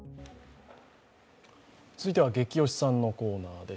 続いてはゲキ推しさんのコーナーです。